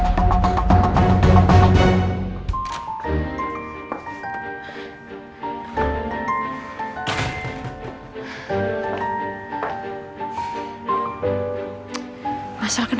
aku kasih tau